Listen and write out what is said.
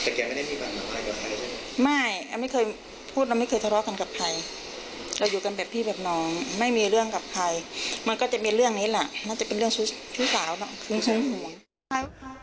แต่แกไม่ได้มีปัญหาอะไรกับใครเลยไม่แกไม่เคยพูดเราไม่เคยทะเลาะกันกับใครเราอยู่กันแบบพี่แบบน้องไม่มีเรื่องกับใครมันก็จะเป็นเรื่องนี้แหละน่าจะเป็นเรื่องชู้สาวเนอะ